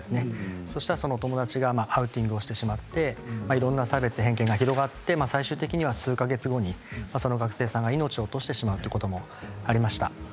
そうしたら、そのお友達がアウティングしてしまっていろんな差別、偏見が広がって最終的には数か月後にその学生さんが命を落としてしまうということもありました。